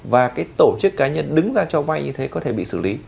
và cái tổ chức cá nhân đứng ra cho vay như thế có thể bị xử lý